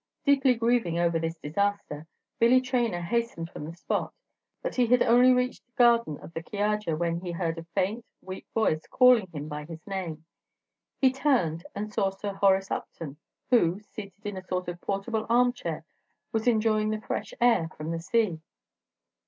Deeply grieving over this disaster, Billy Traynor hastened from the spot, but he had only reached the garden of the Chiaja when he heard a faint, weak voice calling him by his name; he turned, and saw Sir Horace Upton, who, seated in a sort of portable arm chair, was enjoying the fresh air from the sea.